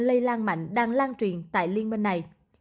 lây lan mạnh đang lan truyền tại liên minh này